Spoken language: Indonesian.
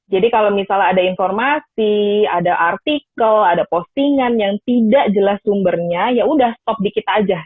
kalau misalnya ada informasi ada artikel ada postingan yang tidak jelas sumbernya yaudah stop dikit aja